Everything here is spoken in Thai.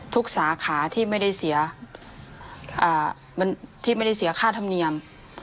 ทุกสาขาที่ไม่ได้เสียค่าธรรมเนียม